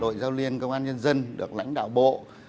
đội giao liên công an nhân dân được lãnh đạo bộ